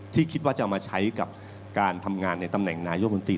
คิดว่าจะเอามาใช้กับการทำงานในตำแหน่งนายกมนตรี